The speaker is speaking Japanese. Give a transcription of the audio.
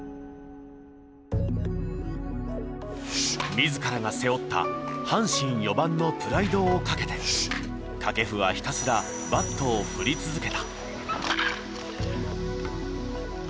自らが背負った阪神４番のプライドをかけて掛布はひたすらバットを振り続けた。